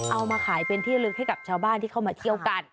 เอามาขายเป็นที่ลึกให้กับชาวบ้านที่เข้ามาเที่ยวกัน